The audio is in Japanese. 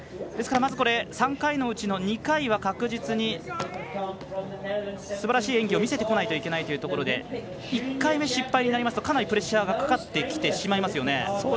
ですからまず３回のうちの２回は確実にすばらしい演技を見せてこないといけないと１回目失敗になりますとかなりプレッシャーがかかってきてしまいますよね。